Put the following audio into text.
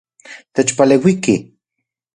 Techpaleuiki.